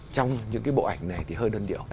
trong những cái bộ ảnh này thì hơi đơn điệu